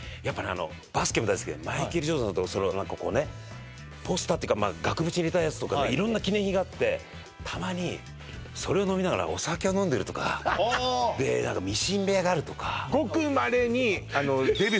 あのバスケも大好きでマイケル・ジョーダンと何かこうねポスターっていうか額縁に入れたやつとか色んな記念品があってたまにそれを飲みながらお酒を飲んでるとかで何かミシン部屋があるとかえっ！？